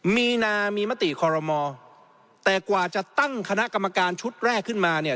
มีนามีมติคอรมอแต่กว่าจะตั้งคณะกรรมการชุดแรกขึ้นมาเนี่ย